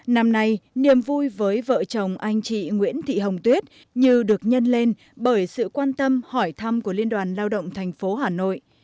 năm nay niềm vui với vợ chồng anh chị nguyễn thị hồng tuyết như được nhân lên bởi sự quan tâm hỏi thăm của liên đoàn lao động thành phố hà nội